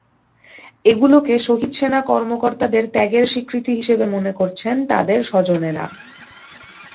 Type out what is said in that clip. এগুলোকে শহীদ সেনা কর্মকর্তাদের ত্যাগের স্বীকৃতি হিসেবে মনে করছেন তাঁদের স্বজনেরা।